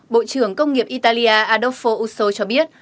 bộ trưởng công nghiệp italia adolfo uso cho biết